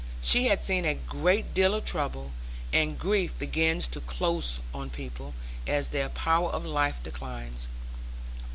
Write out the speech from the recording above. She had seen a great deal of trouble; and grief begins to close on people, as their power of life declines.